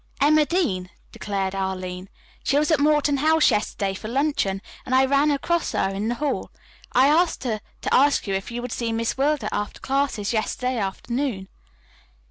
"Emma Dean," declared Arline. "She was at Morton House yesterday for luncheon, and I ran across her in the hall. I asked her to ask you if you would see Miss Wilder after classes yesterday afternoon."